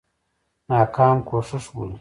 ناکام کوښښ بولي.